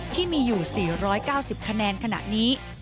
ที่มีอยู่๔๙๐คะแนนขณะนี้